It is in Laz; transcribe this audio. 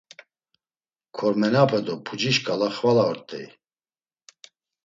Kormenape do puci şǩala xvala ort̆ey.